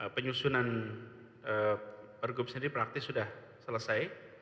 penyusunan pergub sendiri praktis sudah selesai